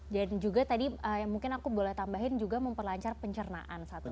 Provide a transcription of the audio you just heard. dan juga tadi mungkin aku boleh tambahin juga memperlancar pencernaan satu lagi